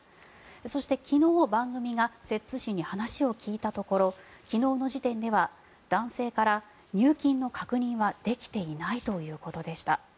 そして、昨日番組が摂津市に話を聞いたところ昨日の時点では男性から入金の確認はできていないということでした。